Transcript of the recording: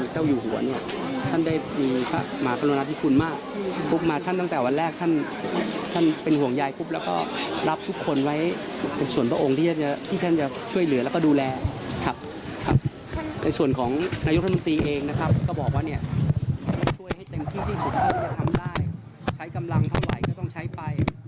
ใช้กำลังเท่าไหร่ก็ต้องใช้ไป